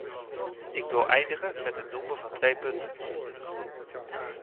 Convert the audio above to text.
Ik wil eindigen met het noemen van twee punten.